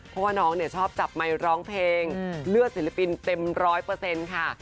เพราะว่าน้องเนี่ยชอบจับไมค์ร้องเพลงเลือดศิลปินเต็มร้อยเปอร์เซ็นต์ค่ะ